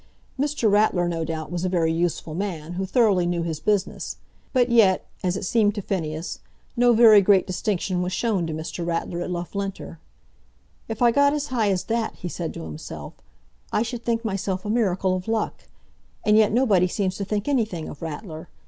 Mr. Ratler no doubt was a very useful man, who thoroughly knew his business; but yet, as it seemed to Phineas, no very great distinction was shown to Mr. Ratler at Loughlinter. "If I got as high as that," he said to himself, "I should think myself a miracle of luck. And yet nobody seems to think anything of Ratler.